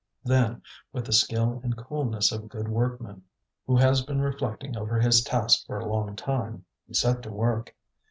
Then, with the skill and coolness of a good workman who has been reflecting over his task for a long time, he set to work.